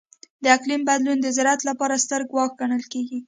د اقلیم بدلون د زراعت لپاره ستر ګواښ ګڼل کېږي.